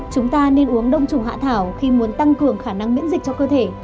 chúng ta nên uống đông trùng hạ thảo khi muốn tăng cường khả năng miễn dịch cho cơ thể